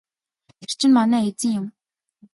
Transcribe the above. Тэр чинь манай эзэн юм.